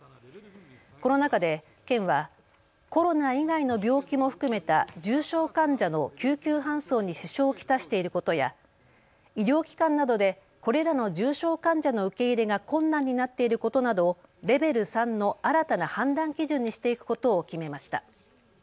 この中で県はコロナ以外の病気も含めた重症患者の救急搬送に支障を来していることや医療機関などでこれらの重症患者の受け入れが困難になっていることなどをレベル３の新たな判断基準にしていくことを決めました。